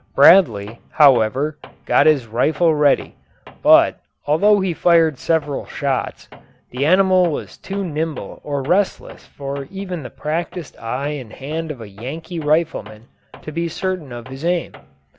Bradley, however, got his rifle ready; but, although he fired several shots, the animal was too nimble or restless for even the practised eye and hand of a Yankee rifleman to be certain of his aim.